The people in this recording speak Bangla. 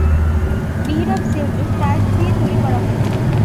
মিহরাব সেলজুক টাইলস দিয়ে তৈরি করা হয়েছে।